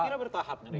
saya kira bertahap